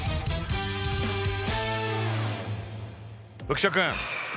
浮所君